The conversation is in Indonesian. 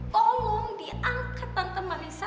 tolong diangkat tante marissa